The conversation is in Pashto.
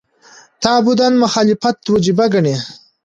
تعبداً مخالفت وجیبه ګڼي.